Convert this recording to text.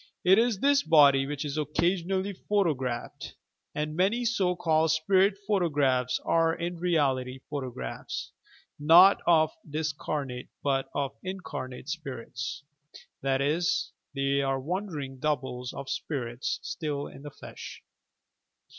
It is this body which is occasionally photographed, and many so called spirit photographs are in reality photographs, not of discamato but of incarnate spirits; that is, — they are wandering "doubles" of spirits still in the flesh.